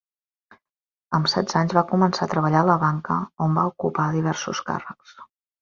Amb setze anys va començar a treballar a la banca on va ocupar diversos càrrecs.